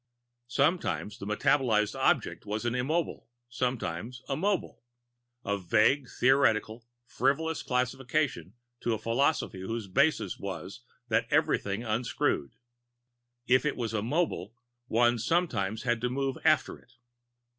Sometimes the metabolizable object was an Immobile and sometimes a Mobile a vague, theoretical, frivolous classification to a philosophy whose basis was that everything unscrewed. If it was a Mobile, one sometimes had to move after it.